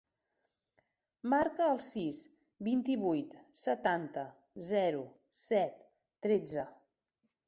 Marca el sis, vint-i-vuit, setanta, zero, set, tretze.